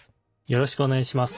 よろしくお願いします。